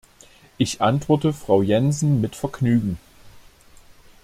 Ich antworte Frau Jensen mit Vergnügen.